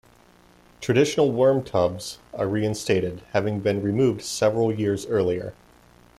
Traditional worm tubs are reinstated, having been removed several years earlier.